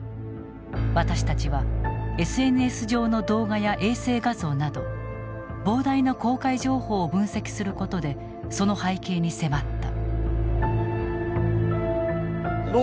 私たちはＳＮＳ上の動画や衛星画像など膨大な公開情報を分析することでその背景に迫った。